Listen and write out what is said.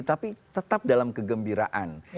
tapi tetap dalam kegembiraan